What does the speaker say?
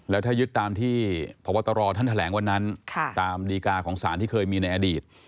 แล้วถ้ายึดตามที่พบตรท่านแถลงวันนั้นตามดีกาของสารที่เคยมีในอดีต